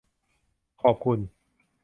ขอบคุณ